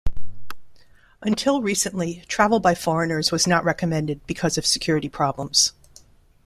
Until recently, travel by foreigners was not recommended because of security problems.